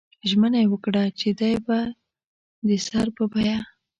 ژمنه یې وکړه چې دی به د سر په بیه.